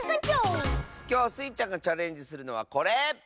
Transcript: きょうスイちゃんがチャレンジするのはこれ！